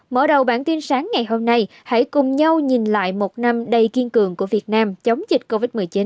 mở đầu bản tin sáng ngày hôm nay hãy cùng nhau nhìn lại một năm đầy kiên cường của việt nam chống dịch covid một mươi chín